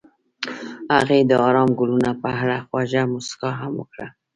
هغې د آرام ګلونه په اړه خوږه موسکا هم وکړه.